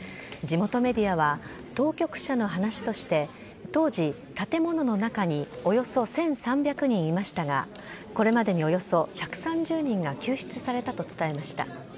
地元メディアは当局者の話として当時、建物の中におよそ１３００人いましたがこれまでにおよそ１３０人が救出されたと伝えました。